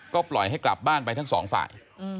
ก็ปล่อยให้กลับบ้านไปทั้งสองฝ่าย